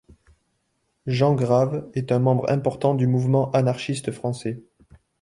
Jean Grave est un membre important du mouvement anarchiste français.